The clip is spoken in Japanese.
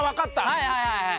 はいはいはいはい。